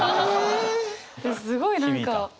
すごい何か。